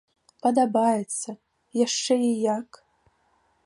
Падабаецца, яшчэ і як!